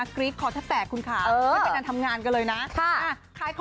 คลิ๊กขอจะแตกคุณค่ะไม่เป็นวันนั้นทำงานกับเราเลย